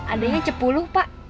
adanya cepuluh pak